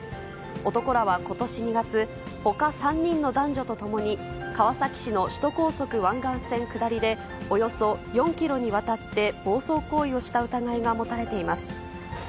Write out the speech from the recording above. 男らはことし２月、ほか３人の男女と共に、川崎市の首都高速湾岸線下りで、およそ４キロにわたって、暴走行為をした疑いが持たれています。